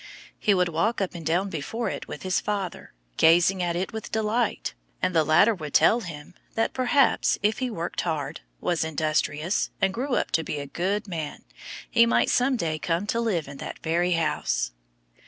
He would walk up and down before it with his father, gazing at it with delight, and the latter would tell him that perhaps if he worked hard, was industrious, and grew up to be a good man, he might some day come to live in that very house.